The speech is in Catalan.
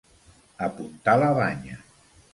Apuntar la banya.